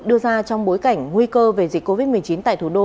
đưa ra trong bối cảnh nguy cơ về dịch covid một mươi chín tại thủ đô